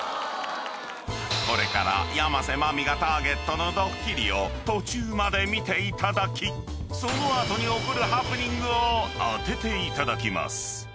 ［これから山瀬まみがターゲットのどっきりを途中まで見ていただきその後に起こるハプニングを当てていただきます］